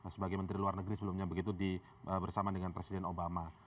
sebagai menteri luar negeri sebelumnya begitu bersama dengan presiden obama